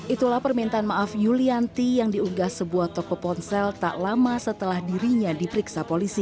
itulah permintaan maaf yulianti yang diunggah sebuah toko ponsel tak lama setelah dirinya diperiksa polisi